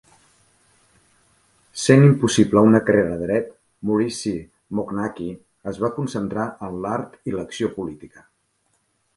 Sent impossible una carrera de dret, Maurycy Mochnacki es va concentrar en l'art i l'acció política.